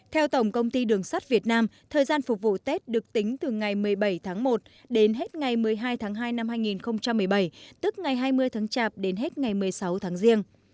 theo tổng công ty đường sắt việt nam thời gian phục vụ tết được tính từ ngày một mươi bảy tháng một đến hết ngày một mươi hai tháng hai năm hai nghìn một mươi bảy tức ngày hai mươi tháng chạp đến hết ngày một mươi sáu tháng riêng